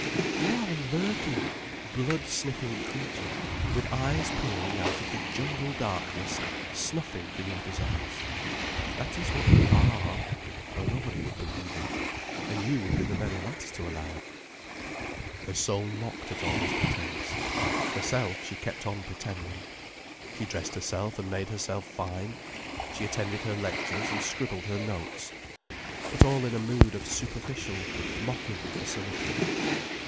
You are a lurking, blood sniffing creature with eyes peering out of the jungle darkness, snuffing for your desires. That is what you are, though nobody would believe it, and you would be the very last to allow it." Her soul mocked at all this pretence. Herself, she kept on pretending. She dressed herself and made herself fine, she attended her lectures and scribbled her notes. But all in a mood of superficial, mocking facility.